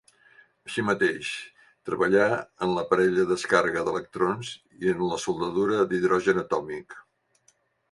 Així mateix, treballà en l'aparell de descàrrega d'electrons i en la soldadura d'hidrogen atòmic.